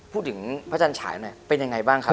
พูดถึงพระจันทรายหนึ่งว่าเป็นยังไงบ้างคะ